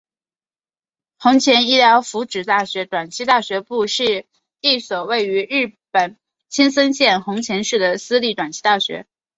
弘前医疗福祉大学短期大学部是一所位于日本青森县弘前市的私立短期大学。